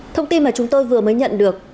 thông tin mà chúng tôi vừa mới nhận được